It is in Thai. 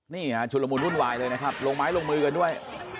นี่ฮะชุดละมุนวุ่นวายเลยนะครับลงไม้ลงมือกันด้วย